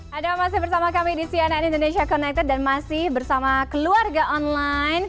hai ada masih bersama kami di cnn indonesia connect dan masih bersama keluarga online